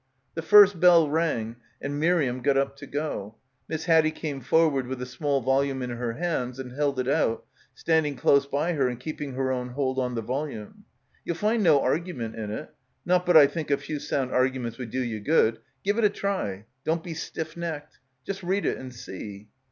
The first bell rang and Miriam got up to go. Miss Haddie came forward with a small volume in her hands and held it out, standing close by her and keeping her own hold on the volume. "Ye'U find no argument in it. Not but I think a few sound arguments would do ye good. Give it a try. Don't be stiff necked. Just read it and see."